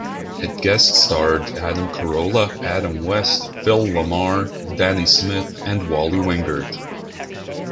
It guest starred Adam Carolla, Adam West, Phil LaMarr, Danny Smith, and Wally Wingert.